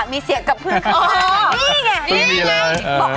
อ๋อนี่ไงนี่ไงบอกให้อยู่นิ่งนะเขาเน่าอีกเออ